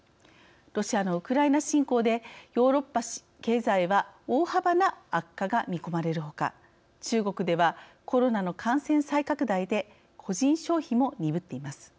ロシアのウクライナ侵攻でヨーロッパ経済は大幅な悪化が見込まれるほか中国ではコロナの感染再拡大で個人消費も鈍っています。